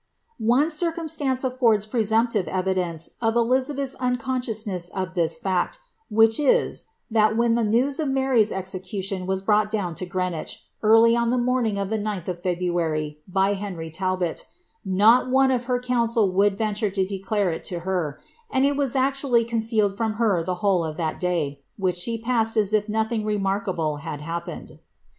One circumstance affords presumptive evidence of Elizabeth's unconsciousness of this fact, which is, that when the news of Mary's execution was brought down to Greenwich early on the morning of the 9th of February by Henry Talbot, not one of her eoancil would venture to declare it to her ; and it was actually con cealed from her the whole of that day,' which she passed as if nothing remarkable had happened.